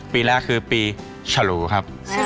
ปีแรกคือปีฉลูครับ